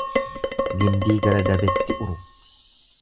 Gindii gara dabetti uru.